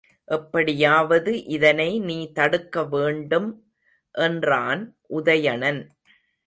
எப்படியாவது இதை நீ தடுக்க வேண்டும் என்றான் உதயணன்.